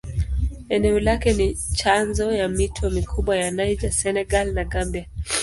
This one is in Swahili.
Eneo lake ni chanzo ya mito mikubwa ya Niger, Senegal na Gambia.